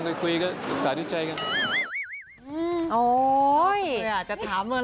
โอ๊ยจะถามมาเลยก็ถาม